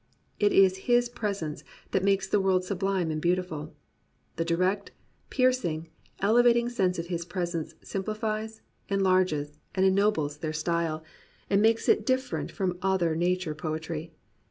It is His pres ence that makes the world sublime and beautiful. The direct, piercing, elevating sense of this presence simplifies, enlarges, and ennobles their style, and 58 POETRY IN THE PSALMS makes it different from other nature poetry.